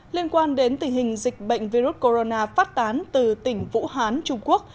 liên quan đến tình hình dịch bệnh virus corona phát tán từ tỉnh vũ hán trung quốc